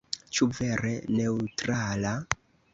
Ĉu vere neŭtrala?